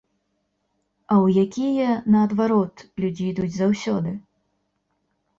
А ў якія, наадварот, людзі ідуць заўсёды?